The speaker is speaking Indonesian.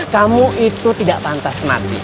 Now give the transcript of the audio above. kamu itu tidak pantas mati